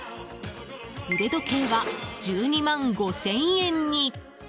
腕時計は、１２万５０００円に。